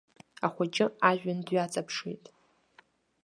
Ахәыҷы ажәҩан дҩаҵаԥшит.